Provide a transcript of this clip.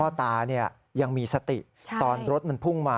ตายังมีสติตอนรถมันพุ่งมา